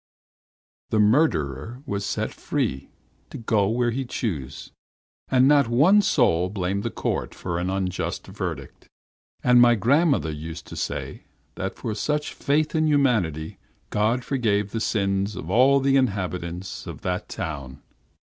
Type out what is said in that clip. "The murderer was set free to go where he chose, and not one soul blamed the court for an unjust verdict. And my grandmother used to say that for such faith in humanity God forgave the sins of all the inhabitants of that town.